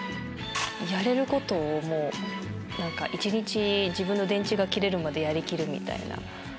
やれることを一日自分の電池が切れるまでやりきるみたいな。